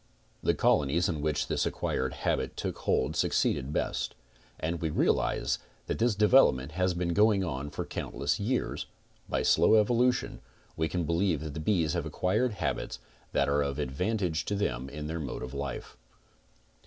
The colonies in which this acquired habit took hold suc ceeded best, and when we realize that this development has been going on for countless years, by slow evolution, we can believe that the bees have acquired habits that are of advantage to them in their mode of life.